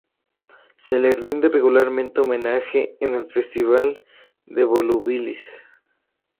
Se le rinde regularmente homenaje en el Festival de Volubilis.